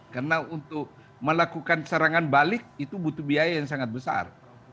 karena untuk melakukan serangan balik itu butuh biaya yang sangat besar